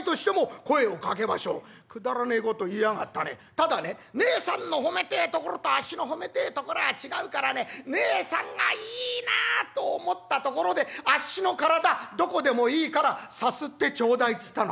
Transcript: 「『ただねねえさんの褒めてえところとあっしの褒めてえところは違うからねねえさんがいいなあと思ったところであっしの体どこでもいいからさすってちょうだい』っつったの」。